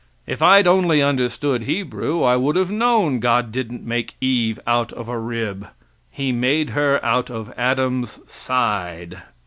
If I'd only understood Hebrew I would have known God didn't make Eve out of a rib. He made her out of Adam's side.